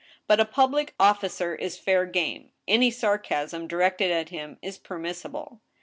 But a public officer is fair game ; any sarcasm directed at him is permissible.